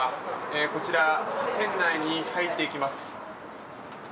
こちら、店内に入っていきます。